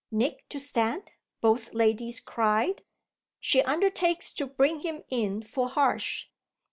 "Nick to stand?" both ladies cried. "She undertakes to bring him in for Harsh.